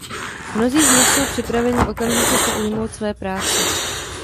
Mnozí z nich jsou připraveni okamžitě se ujmout své práce.